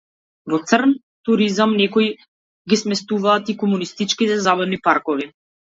Во црн туризам некои ги сместуваат и комунистичките забавни паркови.